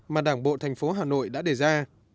mà đảng bộ thành phố hà nội đã đề ra